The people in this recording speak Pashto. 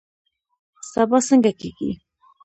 سبا څنګه کیږي؟